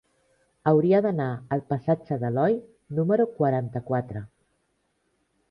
Hauria d'anar al passatge d'Aloi número quaranta-quatre.